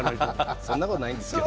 そんなことないですけどね。